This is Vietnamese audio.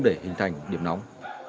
để hình thành điểm nóng